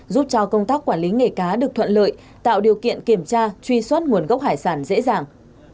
giúp cho công tác quản lý nghề cá được thuận lợi tạo điều kiện kiểm tra truy xuất nguồn gốc hải sản dễ dàng